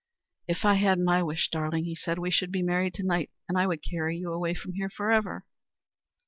"If I had my wish, darling," he said, "we should be married to night and I would carry you away from here forever."